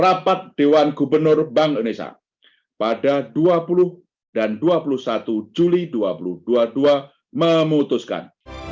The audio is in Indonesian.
rapat dewan gubernur bank indonesia pada dua puluh dan dua puluh satu juli dua ribu dua puluh dua memutuskan